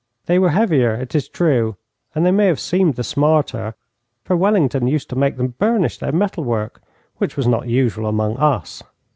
They were heavier, it is true, and they may have seemed the smarter, for Wellington used to make them burnish their metal work, which was not usual among us.